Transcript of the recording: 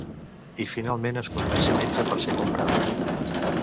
I finalment es comercialitza per ser comprada.